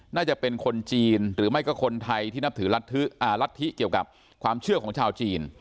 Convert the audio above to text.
น่าจะเป็นคนจีนหรือไม่ก็คนไทยที่นับถือรัฐธิเกี่ยวกับความเชื่อของชาวจีน